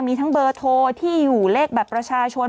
มีทั้งเบอร์โทรที่อยู่เลขบัตรประชาชน